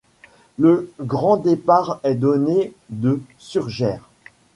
Le grand départ est donné de Surgères.